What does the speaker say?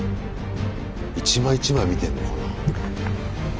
１枚１枚見てんのかな？